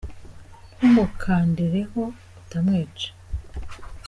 Ntumukandire ho utamwica.